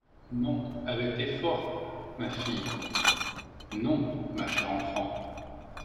Non, Avec effort. ma fille… non, ma chère enfant…